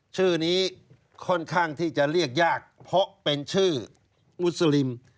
ชื่อนี้ค่อนข้างที่จะเรียกยากเพราะเป็นชื่อมุสลิม